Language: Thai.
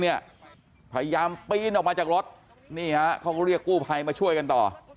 พยายามปีนออกมาจากรถนี่ฮะเขาก็เรียกกู้ภัยมาช่วยกันต่อ